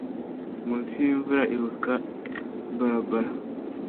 Munsi y'imvura ibuka barbara